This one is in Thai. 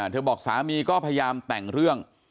บอกสามีก็พยายามแต่งเรื่อง